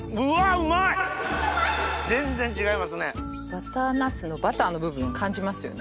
バターナッツのバターの部分を感じますよね。